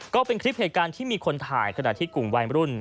ก็เป็นคลิปเหตุการณ์ที่มีคนถ่ายขณะที่กลุ่มวัยรุ่น